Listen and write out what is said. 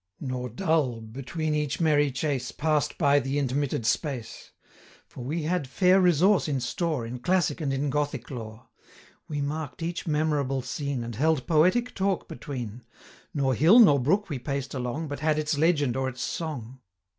Nor dull, between each merry chase, Pass'd by the intermitted space; 65 For we had fair resource in store, In Classic and in Gothic lore: We mark'd each memorable scene, And held poetic talk between; Nor hill, nor brook, we paced along, 70 But had its legend or its song.